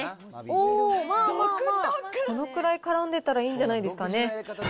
おー、まあまあまあ、このくらいからんでたらいいんじゃないですかね。